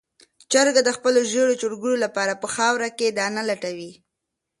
چرګه د خپلو ژېړو چرګوړو لپاره په خاوره کې دانه لټوي.